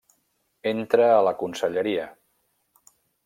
Entra a la conselleria.